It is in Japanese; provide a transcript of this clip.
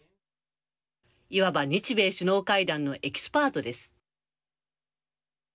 いわば、日米首脳会談のエキスパートです。